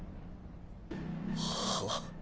はっ？